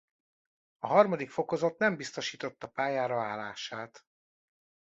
A harmadik fokozat nem biztosította pályára állását.